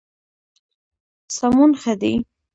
سمون ښه دی.